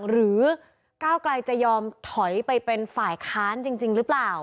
หรือก้าวไกลจะยอมถอยไปเป็นฝ่ายค้านจริงหรือเปล่า